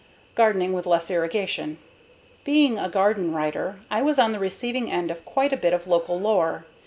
Gardening with Less Irrigation Being a garden writer, I was on the receiving end of quite a bit of local lore.